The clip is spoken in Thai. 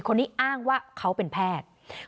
คนนี้อ้างว่าเขาเป็นแพทย์